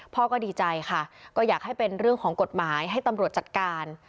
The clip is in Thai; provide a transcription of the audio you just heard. พ่อก็ดีใจค่ะก็อยากให้เป็นเรื่องของกฎหมายให้ตำรวจจัดการ